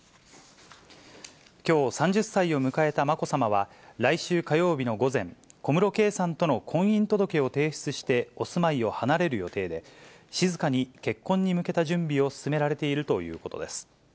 きょう３０歳を迎えたまこさまは、来週火曜日の午前、小室圭さんとの婚姻届を提出して、お住まいを離れる予定で、静かに結婚に向けた準備を進められているということです。